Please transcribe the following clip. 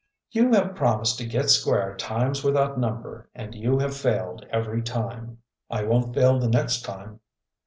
"You have promised to get square times without number and you have failed every time." "I won't fail the next time."